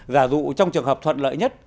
giả dụ trong trường hợp thuận lợi nhất